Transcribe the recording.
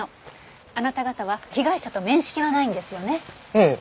ええ。